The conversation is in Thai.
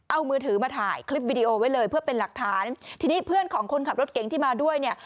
เอามือถือมาถ่ายคลิปวิดีโอไว้เลยเพื่อเป็นหลักฐานทีนี้เพื่อนของคนขับรถเก๋งที่มาด้วยเนี่ย